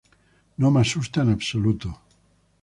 No me asusta en absoluto.